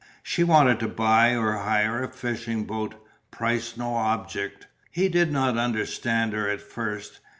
She wanted to buy or hire a fishing boat, price no object. He did not understand her at first.